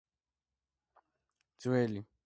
ძველი სახელია ნაგვაზუ.